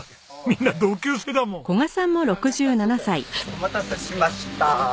お待たせしました。